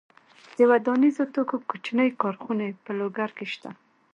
د ودانیزو توکو کوچنۍ کارخونې په لوګر کې شته.